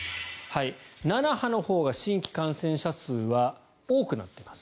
７波のほうが新規感染者数は多くなっています。